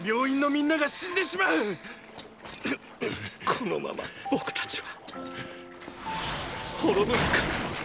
このまま僕たちは滅ぶのか